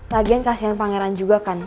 lagian kasian pangeran